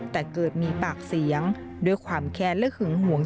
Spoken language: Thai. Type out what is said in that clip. แต่เกิดมีปากเสียงด้วยความแค้นและหึงหวง